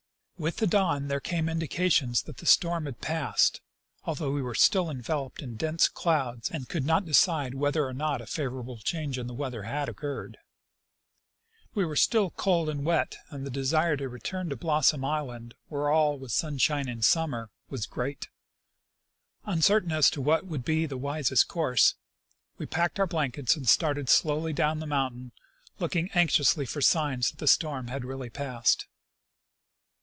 With the dawn there came indications that the storm had passed, although we were still enveloped in dense clouds and could not decide whether or not a favorable change in the weather had occurred. We were still cold and wet and the desire to return to Blossom 18— Nat. Geog. Mag., vol, III, 1891, 126 I. C. Russell — Expedition to Mount St. Elias. island, where all was sunshine and summer, was great. Uncer tain as to what would be the wisest course, we packed our blankets and started slowly down the mountain, looking anx iously for signs that the storm had really passed.